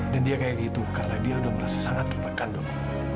dan dia kayak gitu karena dia udah merasa sangat tertekan dong